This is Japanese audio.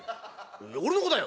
俺の子だよ」。